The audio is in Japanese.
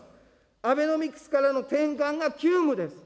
アベノミクスからの転換が急務です。